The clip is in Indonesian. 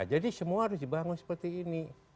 jadi semua harus dibangun seperti ini